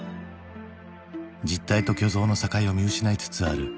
実体と虚像の境を見失いつつある国際都市